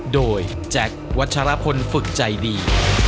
โดยแจ็ควัชรพลฝึกใจดี